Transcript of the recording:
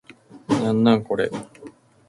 なんなんこれ